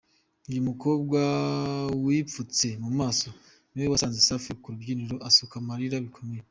Uyu mukobwa wipfutse mu maso niwe wasanze Safi ku rubyiniro asuka amarira bikomeye.